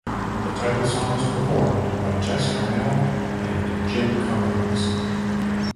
The title song is performed by Jess Harnell and Jim Cummings.